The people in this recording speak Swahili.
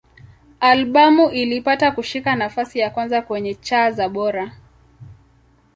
Albamu ilipata kushika nafasi ya kwanza kwenye cha za Bora.